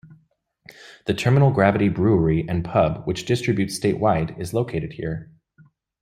The Terminal Gravity Brewery and Pub, which distributes statewide, is located here.